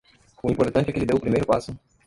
O importante é que ele deu o primeiro passo